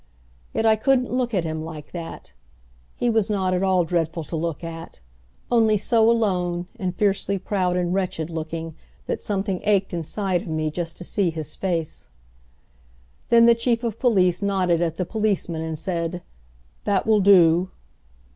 Yet I couldn't look at him like that. He was not at all dreadful to look at, only so alone and fiercely proud and wretched looking that something ached inside of me just to see his face. Then the Chief of Police nodded at the policeman and said, "That will do."